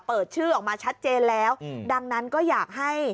เปิดชื่อออกมาชัดเจนแล้วดังนั้นก็อยากให้